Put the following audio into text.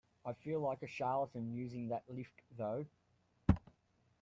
I feel like a charlatan using that lift though.